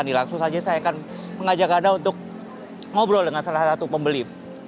ini langsung saja saya akan mengajak anda untuk ngobrol dengan salah satu pembeli